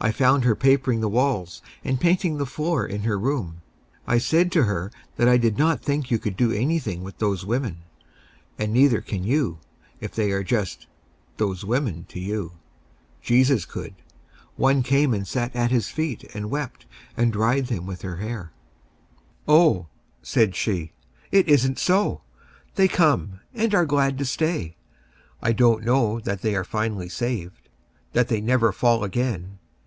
I found her papering the walls and painting the floor in her room. I said to her that I did not think you could do anything with those women, and neither can you, if they are just "those women" to you. Jesus could. One came and sat at his feet and wept, and dried them with her hair. "Oh," said she, "it isn't so! They come, and are glad to stay. I don't know that they are finally saved, that they never fall again.